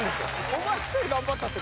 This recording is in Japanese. お前１人頑張ったって